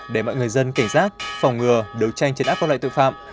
để mọi người dân cảnh giác phòng ngừa đấu tranh trên áp con loại tội phạm